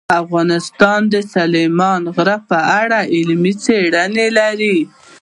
افغانستان د سلیمان غر په اړه علمي څېړنې لري.